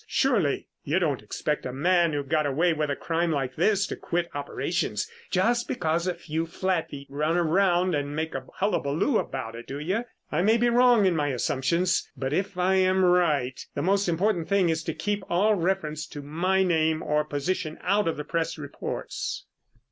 "Surely. You don't expect a man who got away with a crime like this to quit operations just because a few flatfeet run around and make a hullabaloo about it, do you? I may be wrong in my assumption, but if I am right, the most important thing is to keep all reference to my name or position out of the press reports."